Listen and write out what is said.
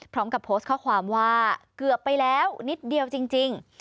พร้อมกับโพสต์ข้อความว่าเกือบไปแล้วนิดเดียวจริง